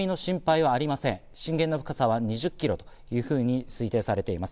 震源の深さは２０キロというふうに推定されています。